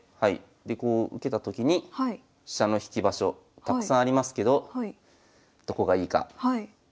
でこう受けたときに飛車の引き場所たくさんありますけどどこがいいか。